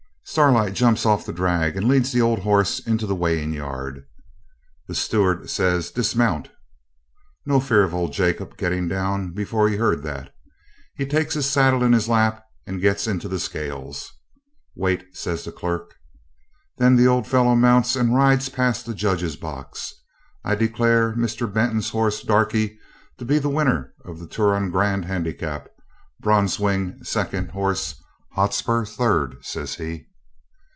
Starlight jumps off the drag and leads the old horse into the weighing yard. The steward says 'Dismount.' No fear of old Jacob getting down before he heard that. He takes his saddle in his lap and gets into the scales. 'Weight,' says the clerk. Then the old fellow mounts and rides past the judge's box. 'I declare Mr. Benton's horse Darkie to be the winner of the Turon Grand Handicap, Bronzewing second horse, Hotspur third,' says he.